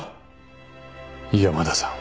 山田さん。